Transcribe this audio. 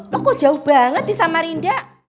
loh kok jauh banget di samarinda